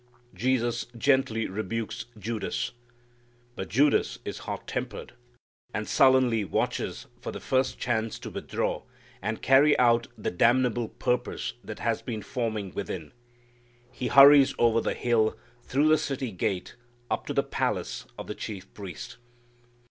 Jesus gently rebukes Judas. But Judas is hot tempered, and sullenly watches for the first chance to withdraw and carry out the damnable purpose that has been forming within. He hurries over the hill, through the city gate, up to the palace of the chief priest.